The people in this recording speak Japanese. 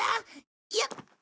よっ！